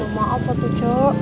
maaf pak tuh cok